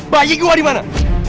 bayi gua dimana